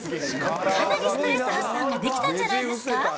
かなりストレス発散ができたんじゃないんですか？